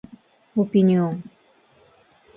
オピニオン